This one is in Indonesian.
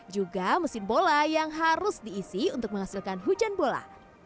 juga mesin bola yang harus diisi untuk menghasilkan hujan bola